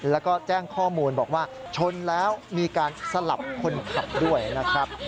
แล้วก็แจ้งข้อมูลบอกว่าชนแล้วมีการสลับคนขับด้วยนะครับ